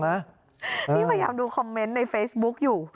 นี่พยายามดูคอมเมนต์ในเฟซบุ๊กอยู่